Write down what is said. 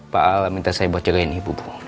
pak alah minta saya buat jagain ibu ibu